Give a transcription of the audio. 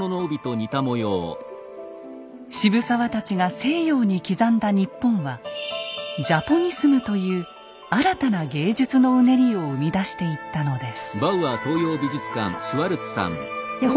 渋沢たちが西洋に刻んだ「ニッポン」は「ジャポニスム」という新たな芸術のうねりを生み出していったのです。